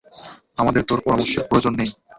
আমাদের তোর পরামর্শের প্রয়োজন নেই।